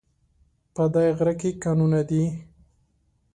په دی غره کې کانونه دي